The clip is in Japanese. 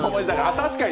確かに。